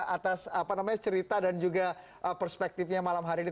atas cerita dan juga perspektifnya malam hari ini